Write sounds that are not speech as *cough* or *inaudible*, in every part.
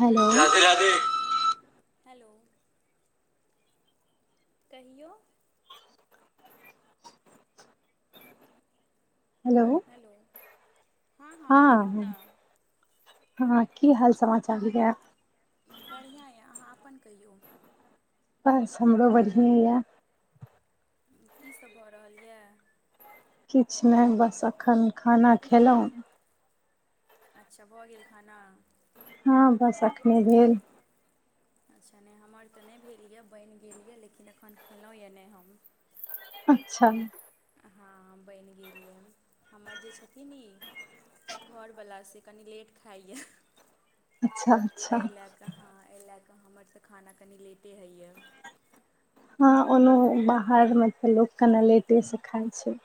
Hello Radhe Radhe hello कहियो hello hello हँ हँ कहियौ न हँ ह की हाल समाचार य बढ़ियां यऽ आहाँ अपन कहियौ बस हमरो बढ़िये य की सब भऽ रहल ये किछ नहि बस अखन खाना खेलहुँ अच्छा भऽ गेल खाना हँ बस अखने भेल अच्छा नहि हमर तऽ नहि भेल यए बनि गेल यए लेकिन एखन खेलहुँ यए नहि हम अच्छा हँ बनि गेल यै हमर जे छथिन ई घरवाला से कनि लेट खाइया अच्छा अच्छा एहि लए कऽ हँ एहि लए कऽ हमर तऽ खाना कनि लेटे होइए हँ ओनो बाहर मे त लोक कने लेटे से खाय छै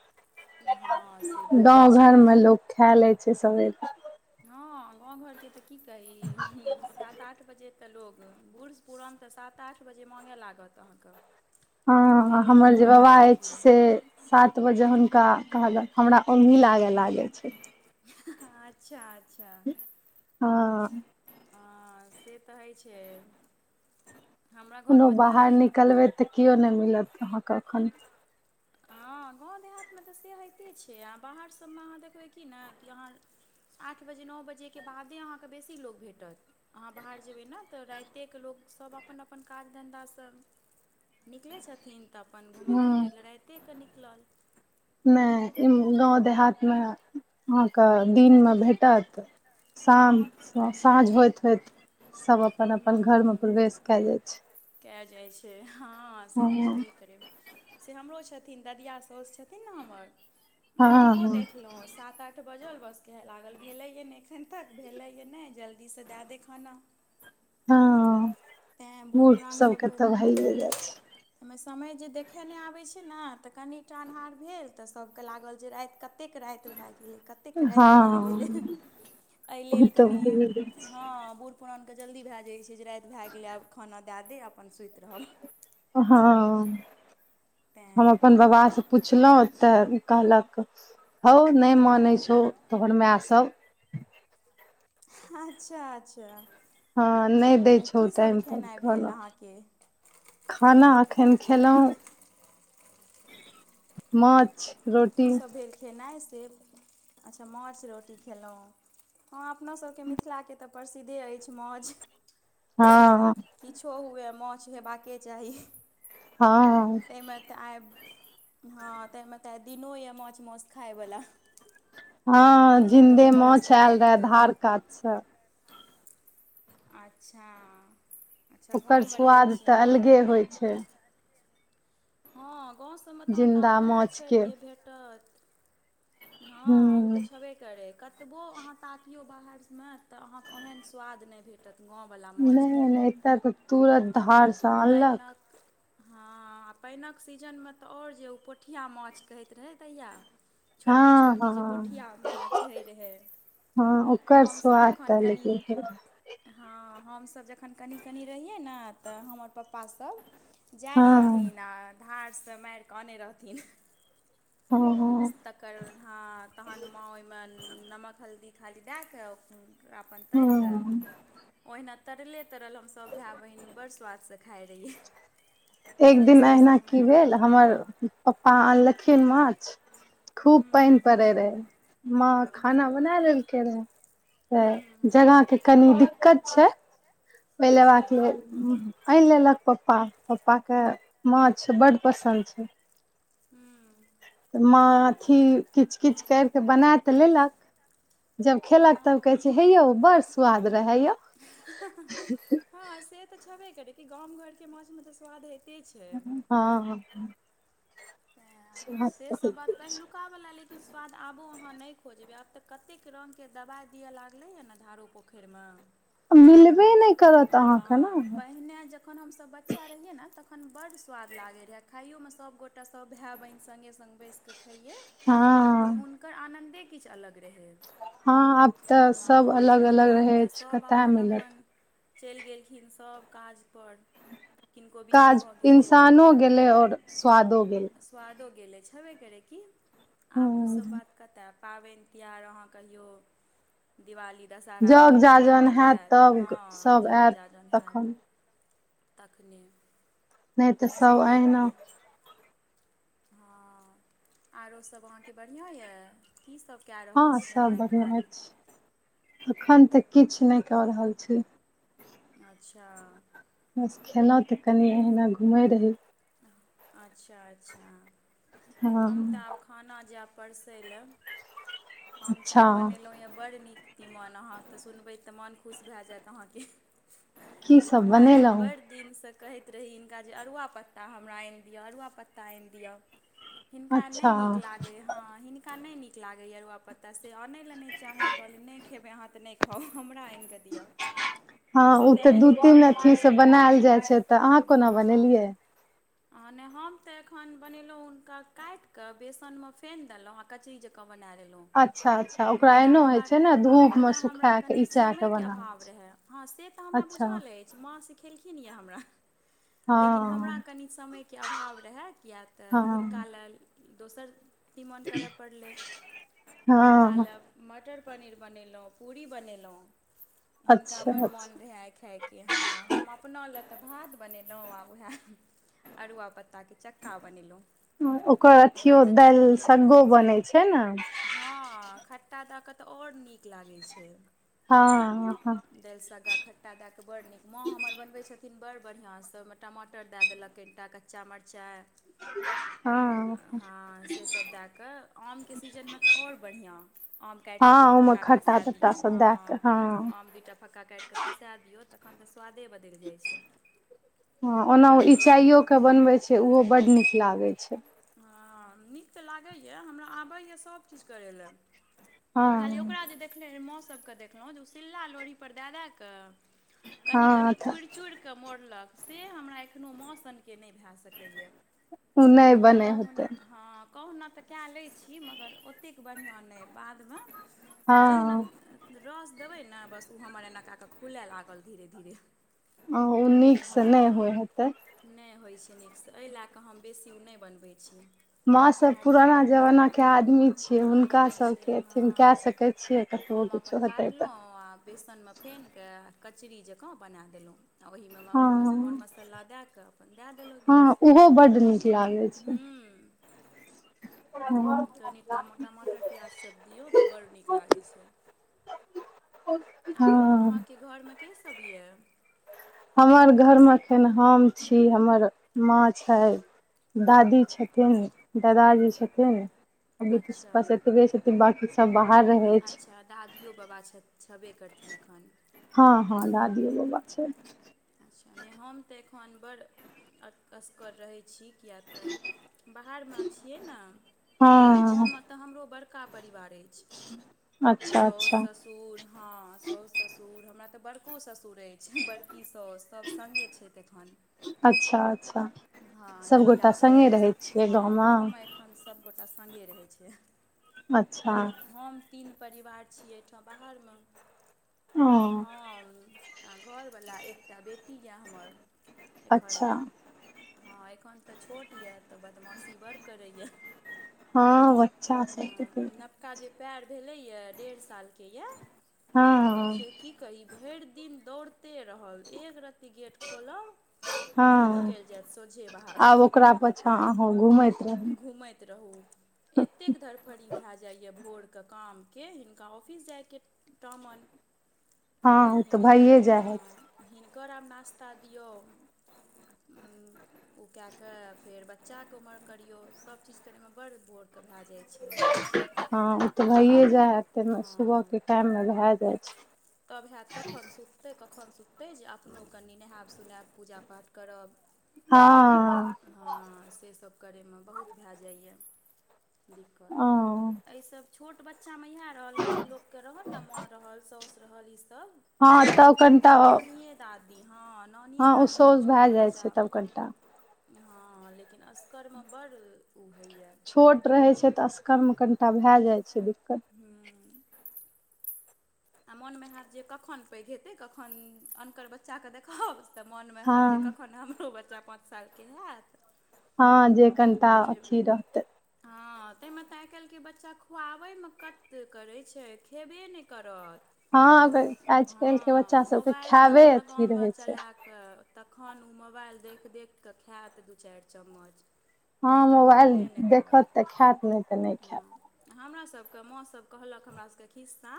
हँ से बात तऽ गाँव छै घरमे लोक खाय लै छै सवेरे हँ गाँव घरके तऽ की कही सात आठ बजे तऽ लोग बूढ़ पुरान तऽ सात आठ बजे माँगय लागत अहाँके हँ भेलै हमर कि जे नहि बाबा भेलै कि अछि नहि से सात बजे हुनका कहादन हमरा ओंगही लागऽ लागै छै अच्छा अच्छा हाँ हँ से तऽ होइ छै हमरा कोनो घरमे बाहर तऽ निकलबै तऽ केओ नहि मिलत अहाँके एखन *inaudible* हँ गाँव देहातमे तऽ से होइते छै आ बाहरसभमे अहाँ देखबै की नहि कि अहाँ आठ बजे नओ बजेके बादे अहाँके बेसी लोक भेटत अहाँ बाहर जेबै ने तऽ रायते के लोकसभ अपन अपन काज धन्धासँ निकलै छथिन तऽ अपन घूमय हँ फिरय ले राइते क निकलल नहि गाँव देहातमे अहाँके दिनमे भेटत तऽ शाम साँझ होइत होइत सब अप अपन अपन घर में प्रवेश कैय जायत कए जाई छै हँ से तऽ हँ छेबे करै से हमरो छथिन ददिया साउस छथिन न हमर हँ हुनको हँ देखलहुँ सात आठ आठ बजल बस केह लागल भेलैए नहि एखन तक भेलैए नहि जल्दीसँ दए दे खाना हँ तैँ बूढ़ बुढ़ पुरान सबके सभके तऽ भैये जाइ छै एहिमे समय जे देखय नहि आबै छै ने तऽ कनि टा अनिहार भेल तऽ सभके लागल जे राति क कतेक राति भए गेलै कत कतेक राति भए गेलै हँ एहि ओ लेल तऽ कनि भइए जाइ हँ छै बु पुरानके जल्दी भए जाइ छै जे राति भए गेलै आब खाना दए दे अपन सुति रहब हँ हम तेँ अपन आर बाबासे पुछलौं तऽ कहलक औ नहि मानै छौ तोहर माय सब अच्छा अच्छा हँ नइ दै तऽ छौ कीसभ टाइमपर खेनाइ भेल खाना अहाँके खाना एखन खेलौं माछ रोटी की सब भेल खेनाइ से अच्छा माछ रोटी खेलौं हँ अपनासबके मिथिलाके तऽ प्रसिद्धे अछि मौज हँ किछो हुए माछ हेबाक चाही हँ तइमे तऽ आइ हँ तइमे तऽ आ दिनो यऽ माछ मौस खायवला हँ अपनासभके तऽ जिन्दे माछ आयल रहे धार कात स आच्छा अच्छा ओकर गाँवमे रहै स्वाद छीय तऽ अहाँ अलगे ततऽ होइ छै हँ गांव सभमे तऽ अहाँके जिन्दा अपन माछ के पोखरिके भेटत हँ ओ हूँ तऽ छेबे करै कतबो अहाँ ताकियौ बाहरमे तऽ अहाँके ओहन स्वाद नइ भेटत गाँव बला मौज नहि के नहि एतय तऽ तुरत तहिमे धारसँ अनलक पनिक हँ आ पानिक सीजनमे तऽ और जे ओ पोठिआ माछ कहैत रहै तहिया छोटकी हँ छोटकी जे हँ पोठिया माछ होइ रहै हँ ओकर हमसब स्वाद जखन तऽ कनि अलगे छै हँ हमसब जखन कनि कनि रहियै ने तऽ हमर पप्पासब जाइ हँ रहथिन आ धारसँ मारि कऽ अनै रहथिन हं हं तकर हाँ तहन माँ ओइमे नमक हल्दी खाली दए कऽ अपन तरिक हँ ओहिना तरले तरल हम सब भाय बहिन बड़ स्वाद से खाय रहिये एक दिन अहिना की भेल हमर पप्पा आनलखिन माछ खूब ह्म्म पानि पड़े रहे मां खाना बना लेलकै रहे ह्म्म तऽ जगहके कनि दिक्कत छै ओहि अच्छा लेबाक लेल आनि लेलक पप्पा पप्पाके माछ बड पसन्द छै हूं मां अथी किच किच करिके बना तऽ लेलक जब खेलक तब हँ कहै छै हे यौ बड़‌ स्वाद रहे यौ हं हं हं हँ से तऽ छेबे करै कि गाम घरके माछमे तऽ स्वाद होइते छै हँ से सब बात पहिलु का वला लेकिन स्वाद आबो अहाँ नइ खोजबै आब तऽ कतेक रंग के दवाइ दिअ लागलै हँ ने धारो पो खरिमे मिलबे नहि करत अहाँके ने पहिने जखन हमसब बच्चा रहियै ने तखन बड्ड स्वाद लागै रहै खाइयोमे सबगोटा सब भाय बहिन सङ्गे सङ्ग बैस क खैयै हँ तऽ हुनकर आनन्दे किछ अलग रहै हँ आब तऽ सब हँ अलग लेकिन अलग आब रहै तऽ छै सभ कतय अपन मिलत अपन चलि गेलखिन सब काजपर किनको बियाह काज भऽ गेल इंसानो गेलै और स्वादो गेलै स्वादो गेलै छेबे करै कि आब ओ ह सब बात कतय पाबनि तिहार अहाँ कहियौ दिवाली दशहरा जग भेंट जाजन मुलाकात हैत हति तब हँ सब जग आयत जाजन होयैत तखन तखने नहि तऽ सब छबे अहिना करै हँ आरो सब अहाँके बढ़िया यऽ कीसभ कए रहल हँ छी अहाँ एखन अखन तऽ किछ नहि कऽ रहल छी अच्छा बस खेलौंह तऽ कनि एहिना घुमैरही अच्छा अच्छा हम तऽ हँ आब खाना जायब परसै लए हम तऽ अच्छा आइ बनेलहुँ यऽ बड़ नीक तीमन अहाँ तऽ सुनबै तऽ मन खुश भए जायत अहाँके की सब आइ बनेलहुँ बड़ि दिनसे कहैत रही हिनका जे अरुआ पत्ता हमरा आनि दिअ अरुआ पत्ता आनि दिअ हिनका अच्छा नइ नीक लागै ह हिन हुनका नइ नीक लागैए अरुआ पत्ता से अनै लए नइ चाहै कहलियै नइ खेबै अहाँ तऽ नइ खाउ हमरा आनिकऽ दिअ *inaudible* हँ ओ तऽ दू सैहिन तीन अथी स हँ बनायल जाइ छै तऽ अहाँ कोना बनेलियै आने हम तऽ एखन बनेलहुँ हुनका काटि कऽ बेसनमे फेनि देलहुँ आ कचरी जँकाँ बना अच्छा अच्छा लेलहुँ ओकरा मुदा एहनो होइ हमरा छै ने हँ धूप मे मुदा हमरा सुखा कऽ कनि इचा कऽ समयके बनाबै अभाव छै रेहे हँ से तऽ हमरा अच्छा बुझल अछि माँ सिखेलखिन यऽ हमरा हँ कनी समयके अभाव रहेय किय तऽ हिनका हँ लेल दोसर तीमन करय पड़लै हिनका हँ लए मटर पनीर बनेलौं पूरी बनेलौं हिनका बड़ अच्छा अच्छा मोन रहै आइ खायके कि हँ हम अपना लए तऽ भात बनेलहुँ आ वएह अरुआ पत्ता के चक्का बनेलौं ओकर ओकरा अथियो तऽ दालि चक्के कहै सग्गो छै बनै ने हँ खट्टा दए कऽ तऽ आओर नीक लागै छै हँ हँ दालि साग्गा खट्टा दए कऽ बड़ नीक माँ हमर बनबै छथिन बड़ बढ़या सँ ओहिमे टमाटर दए देलक कनिटा कच्चा मरचाइ हँ हँ से सभ दए कऽ आमके सीजनमे तऽ ओर बढ़िया काटि कऽ दू हँ टा ओहिमे फंका खट्टा खसाए तट्टा दियौ सब हँ दए कऽ हँ आम दुटा फक्का काटिक क के खसा दियौ तखन तऽ स्वादे बदलि जाइ छै हँ ओना ओ इचाइयो के बनबै छै ओहो बड्ड नीक लागै छै हँ नीक तऽ लागैए हमरा आबैए सभचीज करैय लेल हँ खाली ओकरा जे देखलिय माँसभके देखलहुँ जे ओ सिल्ला लोढ़ी पर दए दए कऽ कनि कनि हँ चुड़ि चुड़ि कऽ मोड़लक से हमरा एखनो मां सनके नहि भए सकैए उ नइ कहुना हँ कहुना तऽ कए लैत छी मगर ओतेक बढ़िआँ नइ बादमे हँ जहिना रस देबै ने बस ओ हमर एना कए कऽ खुलय लागल धीरे धीरे ओ नीकसँ नहि हँ होइ हेतै नहि होइ छै नीकसँ एहि लए कऽ हम बेसी नहि बनबै छि माँ सभ पुराना जमाना के आदमी छियै हुनका आदमी छै सभके अथिन कै हँ सकैत छियै कतबो हम अपन किछो हेतै तऽ काटलहुँ आ बेसनमे फेन कऽ कचरी जकाँ बना देलहुँ आ ओहिमे मर मर हँ मसल्ला दए कऽ अपन दए देलहुँं हँ रस ओहो बड नीक लागै छै हूँ हँ कनि टमाटर प्याज सभ दियौ तऽ बड़ नीक लागैत छै आरो हँ अहाँके घरमे के सब यऽ हमर घरमे एखन हम छी हमर माँ छै दादी छथिन दादाजी छथिन अभी तऽ अच्छा पस एतबे छथिन तऽ बकी सब बाहर रहैछ अच्छा दादियो बाबा छ छेबे करथिन एखन हँ हँ दादियो बबा छै अच्छा नहि हम तऽ एखन बड् असगर रहैत छी किया तऽ बाहरमे छियै न गाँव हँ में तऽ हमरो बड़का परिवार अछि अच्छा साउस अच्छा स सुर हँ साउसु ससुर हमरा तऽ बड़को ससुर अछि बड़की तऽ सब सङ्गे छै तखन अच्छा अच्छा ह ददीया सभगोटा संगे साउस रहै ह छियै गांव गाँवमे मे एखन तखन सभगोटा सङ्गे रहै छै अच्छा आ हम ' तीन परिवार छी एहिठाम बाहरमे हँ हम आ घरवला एकटा बेटी यए हमर एखन अच्छा हँ एखन तऽ छोट यऽ तऽ बदमाशी बड़ करैए या हँ बच्चा हँ सब नवका जे पेर भेलैए डेढ़ सालके यए हँ हँ से की कही भेर दिन दौड़ते रहल एक रती गेट खोलब की कि हँ निकेल जायत सोझे बाहर आब ओकरा पाछाँ अहाँ घुमैत रहू घूमैत रहू एतेक धड़फड़ी भए जाइए भोरके कामके हिनका ऑफिस जायके टामन ' हँ आब ओ तऽ हिनकर भइए जाइ हइ हँ हिनकर आब नाश्ता दियौ ओ कए कऽ फेर बच्चाकेँ ओम्हर करियौ सभचीज करयमे बड्ड बोर के भए जाइ छै हमरा हँ ओ तऽ भइए जाय हय ते सुबह हँ के टाइम मे भए जाइ छै तब हाथ कखन ते सुखतै कखन सुखतै जे अपनो कनि नहायब सुोनायब पूजा पाठ करब हँ हँ से सब करयमे बहुत भए जाइए ओ दिक्कत एहि सब छोट बच्चामे इएह रहल कनी लोकके रहल ने माँ रहल साउस रहल ई सब हँ छोट तब बचा कनिटा नानीये दादी हँ नाने हँ ओ दादी सोझ लग छोट भए जाइ बच्चा छै तब कनिटा हँ लेकिन असगरमे बड़ उ होइए छोट रहै छै तऽ असगर कनिटा भए जाइ छै दिक्कत हूँ आ मोनमे होैत जे कखन पैघ हेतै कखन अनकर बच्चाकेँ देखब तऽ मोनमे हँ हैत जे कखन हमरो बच्चा पाँच सालके हैत। हँ जे कनिटा जे अथी रहतै। हँ ते मे ते आइ काल के बच्चा खुआवे मे कद करे छै खेबे नहि कर हँ अगर करत आज कल के हां बच्चा सबके मोबाइल खायबे दियो अथी हम रहे छै चलेंब केऽ तखन ओ मोबाइल देखि देख कऽ खायत दू चारि चम्मच ' हँ नहि तऽ मोबाइल खयबे नहि देखत तऽ खायत नहि तऽ नहि करब हँ खायत ' हमरा सभके माँसभ कहलक हमरा सभके खिस्सा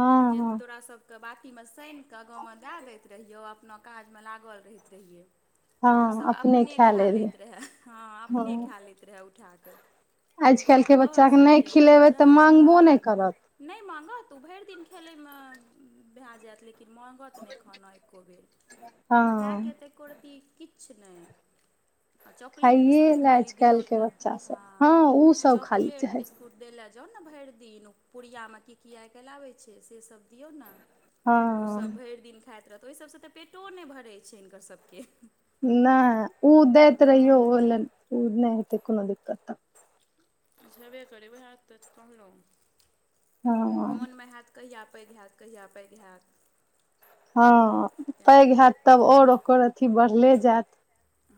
हँ जे हँ तोरा सब के बाटी मे सेन के आगा मे दाय दैत रहियो अपना काज मे लागल रहि रहिये तु हँ सब अपने खा ले रहे लैत रहै अपने हँ खा ल खैत रहए उठा कऽ आजकल आ के तोहर बच्चा के नहि सभके खिलेबै बच्चा तऽ मांगबो नहि हँ करत नहि माँगत ओ भेर दिन खेलयमे भए जायत लेकिन माँगत त नहि खाना एक्को बेर खाय हँ क तऽ एको रत्ती किछु नहि आ चॉकलेट खाइए बिस्कुट लए आज खाली दियौ काल्हिके तऽ बच्चा सब हँ ओ सब खाली चॉकलेट चाही बिस्कु छूट दै लए जाउ ने भरि दिन पुुरियामे की की आइ काल्हि आबै छै सेसभ दियौ ने ओसभ हँ भरि दिन खाइत रहत ओहि सभसँ तऽ पेटो नहि भरैत छै हिनकर सभके नहि ओ दैत रहियौ ओ हँ ल ऊ नहि हेतै कोनो दिक्कत छबे करै ओएहत तऽ कहलहुँ हँ मोनमे हैत' कहिया पैघ हयैत कहिया पैघ हयैत हँ पैघ तेँ हयत तब और ओकर अथी बढ़ले जायत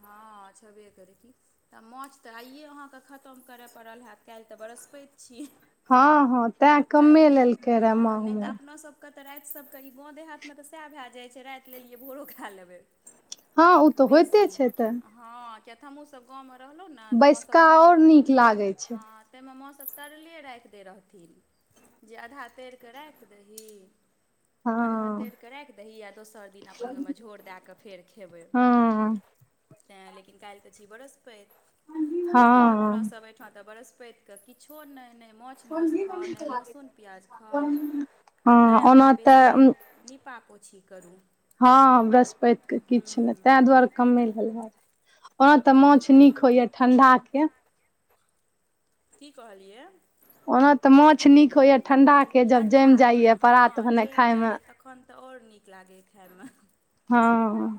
हँ छबेए करे की तऽ माछ तऽ आइए अहाँके खतम करय पड़ल हएैत काल्हि तऽ बरहस्पति छी। हँ हॅ तैं काल्हि कमे तऽ लेलकै रे हँ मा नहि तऽ हमर अपनासभके तऽ रात सभके ई बाँ देह हाथ तऽएह भए जाइत छै रात लेलियै भोरो खा लेबै हँ ओ तऽ बेसी होइते छै तऽ हँ किया ते तऽ हमहुँसभ गाँवमे रहलौहु ने तऽ माँ बैसका सबके आओर देखलौहु नीक लागै छै हँ तैहिमे माँसभ तरले राखि दै रहथिन जे आधा तैर कऽ रैख दही आधा हँ तैर कऽ रैख दही आ दोसर दिन अपन ओहिमे झोर दए कऽ फेर खेबै ह तैँ लेकिन काल्हि तऽ छी वृहस्पति आ हँ अपनासभ एहिठा तऽ व्रहस्पति किछो नहि नहि मछ मौस खाउ नहि लहसुन प्याज खाउ आ हँ नहि अहाँ ओना बेसी तऽ नीपा पोछी करू हँ बृहस्पतैक क किछु नहि तए दुआरे कमे भेल हएत ओना तऽ माछ नीक होइए ठण्डाके की कहलियै ओना तऽ माछ नीक होइया ठंडा के जब ठण्डा जमि के जाइया ह परात भने जाइम खाय जाए मे या तखन तऽ आओर नीक लागै खाइमे हँ